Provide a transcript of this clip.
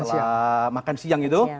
setelah makan siang gitu